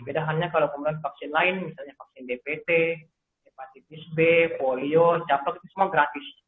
bedaannya kalau kemudian vaksin lain misalnya vaksin dpt hepatitis b polio caplok itu semua gratis